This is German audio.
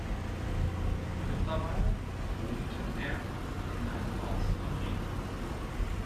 Mittlerweile wohnte er in einem Haus am Ring.